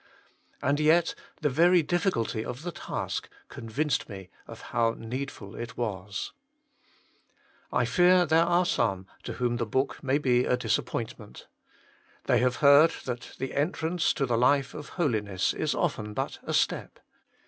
And yet the very difficulty of the task convinced me of how needful it was. I fear there are some to whom the book may PREFACE. 7 be a disappointment. They have heard that the entrance to the life of holiness is often but a step.